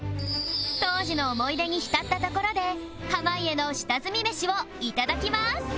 当時の思い出に浸ったところで濱家の下積みメシを頂きます